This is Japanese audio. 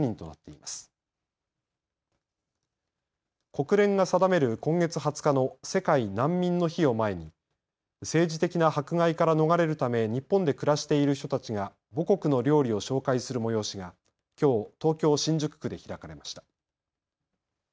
国連が定める今月２０日の世界難民の日を前に政治的な迫害から逃れるため日本で暮らしている人たちが母国の料理を紹介する催しがきょう東京・新宿区で開かれました。